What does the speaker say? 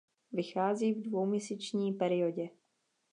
Vychází v dvouměsíční periodě.